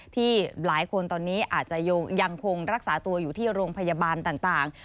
ที่หลายคนตอนนี้อาจจะยังคงรักษาตัวอยู่ที่โรงพยาบาลต่าง